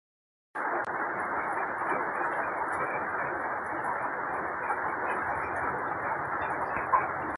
ঈশ্বৰ মোৰ সহায় হওক কি নহওকেই মই তেঁওক কেতিয়াও নেৰে।